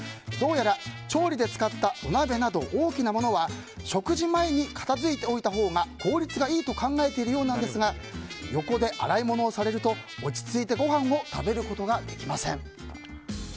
どうやら、調理で使ったお鍋など大きなものは食事前に片付いておいたほうが効率がいいと考えているようなんですが横で洗い物をされると落ち着いてごはんを食べることができません。